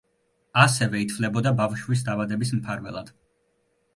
ასევე ითვლებოდა ბავშვის დაბადების მფარველად.